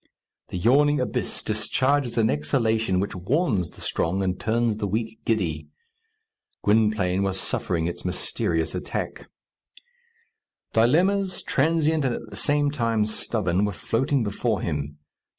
The yawning abyss discharges an exhalation which warns the strong and turns the weak giddy. Gwynplaine was suffering its mysterious attack. Dilemmas, transient and at the same time stubborn, were floating before him.